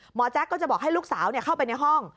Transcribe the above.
แจ๊กก็จะบอกให้ลูกสาวเข้าไปในห้อง